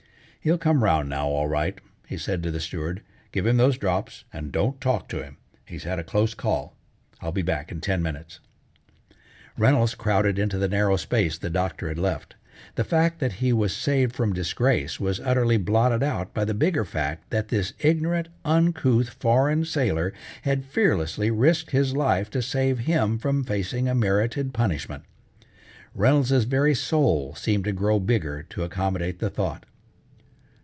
"He'll come round now, all right," he said to the steward. "Give him those drops and don't talk to him. He's had a close call. I'll be back in ten minutes." Reynolds crowded into the narrow apace the doctor had left. The fact that he was saved from disgrace was utterly blotted out by the bigger fact that this ignorant, uncouth, foreign sailor had fearlessly risked his life to save him from facing a merited punishment. Reynolds's very soul seemed to grow bigger to accommodate the thought.